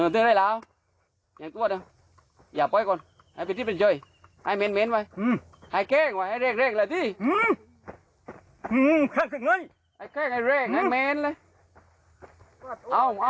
เดี๋ยวลงมาบอกกันทีหลังให้ดูชัดอีกทีนึงค่ะ